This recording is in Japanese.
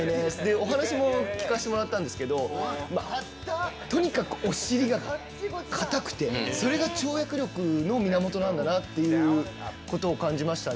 お話も聞かせてもらったんですがとにかくお尻が硬くてそれが跳躍力の源なんだなということを感じました。